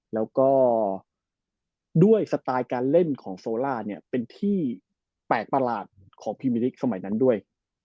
แล้วก็ด้วยสไตล์การเล่นของโซล่าเนี่ยเป็นที่แปลกประหลาดของพรีมิลิกสมัยนั้นด้วย